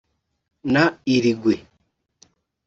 na Uruguay